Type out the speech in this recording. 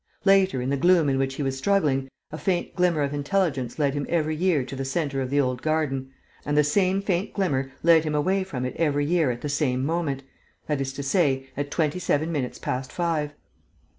Later, in the gloom in which he was struggling, a faint glimmer of intelligence led him every year to the centre of the old garden; and the same faint glimmer led him away from it every year at the same moment, that is to say, at twenty seven minutes past five.